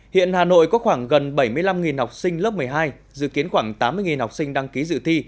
hiện hà nội có khoảng gần bảy mươi năm học sinh lớp một mươi hai dự kiến khoảng tám mươi học sinh đăng ký dự thi